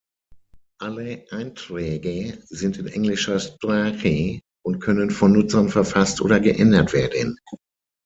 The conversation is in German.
Alle Einträge sind in englischer Sprache und können von Nutzern verfasst oder geändert werden.